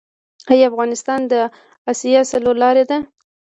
آیا افغانستان د اسیا څلور لارې ده؟